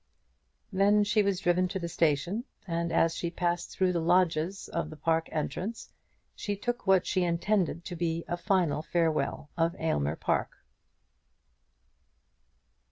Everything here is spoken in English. Then she was driven to the station; and as she passed through the lodges of the park entrance she took what she intended to be a final farewell of Aylmer Park.